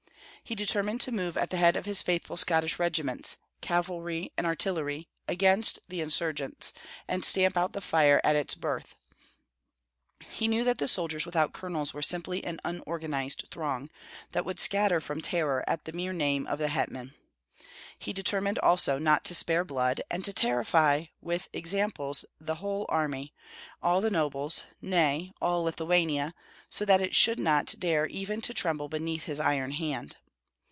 He determined to move at the head of his faithful Scottish regiments, cavalry and artillery, against the insurgents, and stamp out the fire at its birth. He knew that the soldiers without colonels were simply an unorganized throng, that would scatter from terror at the mere name of the hetman. He determined also not to spare blood, and to terrify with examples the whole army, all the nobles, nay, all Lithuania, so that it should not dare even to tremble beneath his iron hand.